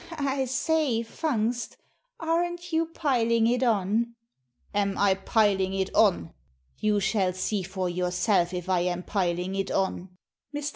"I say, Fungst, aren't you piling it on ?" "Am I piling it on? You shall see for yourself if I am piling it on." Mr.